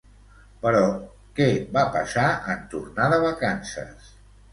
Però, què va passar en tornar de vacances?